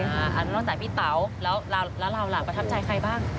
อันนี้นอกจากพี่เต๋าแล้วเราล่ะประทับใจใครบ้าง